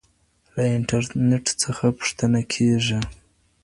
له انټرنیټ څخه پوښتنه کېږي.